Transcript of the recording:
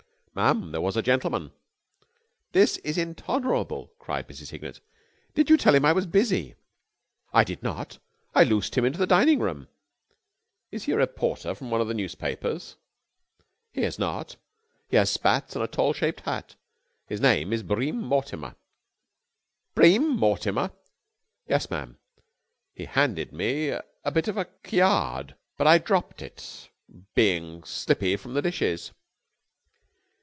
"Ma'am there was a gentleman." "This is intolerable!" cried Mrs. Hignett. "Did you tell him that I was busy?" "I did not. I loosed him into the dining room." "Is he a reporter from one of the newspapers?" "He is not. He has spats and a tall shaped hat. His name is Bream Mortimer." "Bream Mortimer!" "Yes, ma'am. He handed me a bit of a kyard, but I dropped it, being slippy from the dishes."